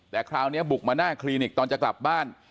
แต่คราวนี้บุกมาหน้าคลินิกตอนจะกลับบ้าน